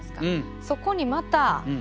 そこにまたこの。